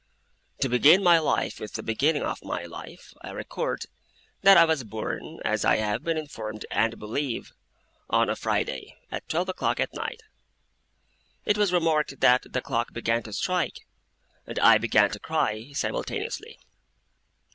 To begin my life with the beginning of my life, I record that I was born (as I have been informed and believe) on a Friday, at twelve o'clock at night. It was remarked that the clock began to strike, and I began to cry, simultaneously.